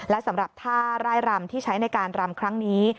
และสำหรับท่าร่ายรำที่ใช้ในการรำครั้งนี้